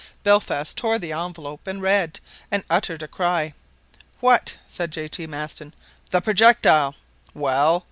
Belfast tore the envelope and read, and uttered a cry. "What!" said J. T. Maston. "The projectile!" "Well!"